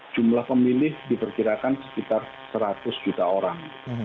jumlah pemilih diperkirakan sekitar seratus juta orang